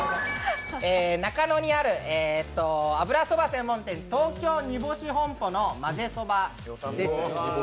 中野にあるあぶらそば専門店東京煮干屋本舗のまぜそばです。